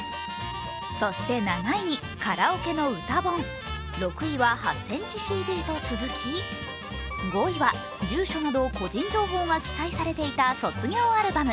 そして７位に、カラオケの歌本、６位は８ｃｍのＣＤと続き５位は、住所など個人情報が記載されていた卒業アルバム。